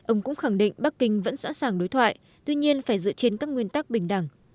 ông cũng khẳng định bắc kinh vẫn sẵn sàng đối thoại tuy nhiên phải dựa trên các nguyên tắc bình đẳng